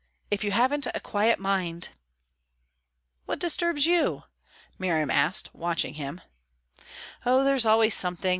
If you haven't a quiet mind " "What disturbs you?" Miriam asked, watching him. "Oh, there's always something.